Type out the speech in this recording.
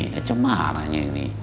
macem marahnya ini